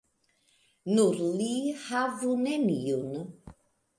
Nur li havu neniun.